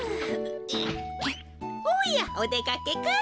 おやっおでかけかい？